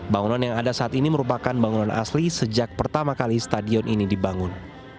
bangunan yang ada saat ini merupakan bangunan asli sejak pertama kali stadion ini dibangun